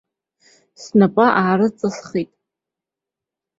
Снапы аарыҵысхит.